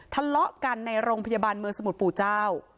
ทะเลาะกันในโรงพยาบาลเมืองสมุทรปู่เจ้า